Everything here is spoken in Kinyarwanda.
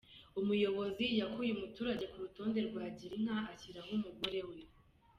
Umuyobozi yakuye umuturage ku rutonde rwa Girinka, ashyiraho umugore we